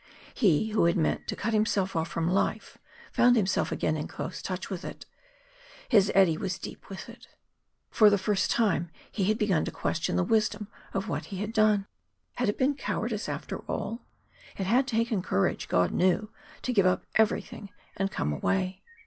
He who had meant to cut himself off from life found himself again in close touch with it; his eddy was deep with it. For the first time, he had begun to question the wisdom of what he had done. Had it been cowardice, after all? It had taken courage, God knew, to give up everything and come away.